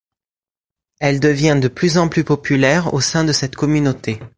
Elle devient de plus en plus populaire au sein de cette communauté.